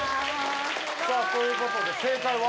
さあということで正解は？